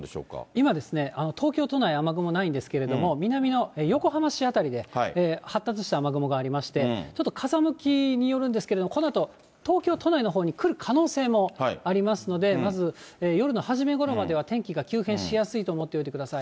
今、東京都内、雨雲ないんですけれども、南の横浜市辺りで発達した雨雲がありまして、ちょっと風向きによるんですけれども、このあと、東京都内のほうに来る可能性もありますので、まず夜の初めごろまでは、天気が急変しやすいと思っておいてください。